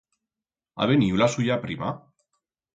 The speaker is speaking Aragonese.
Ha veniu la suya prima?